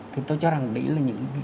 thì tôi cho rằng đấy là những cái